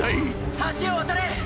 橋を渡れ！！